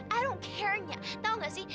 aku tak peduli nya tau gak sih